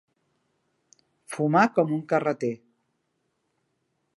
Fumar com un carreter.